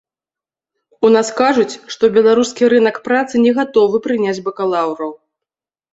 У нас кажуць, што беларускі рынак працы не гатовы прыняць бакалаўраў.